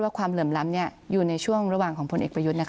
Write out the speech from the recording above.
ความเหลื่อมล้ำอยู่ในช่วงระหว่างของพลเอกประยุทธ์